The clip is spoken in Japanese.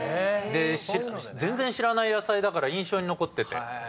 で全然知らない野菜だから印象に残ってて。